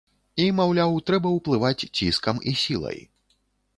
І, маўляў, трэба ўплываць ціскам і сілай.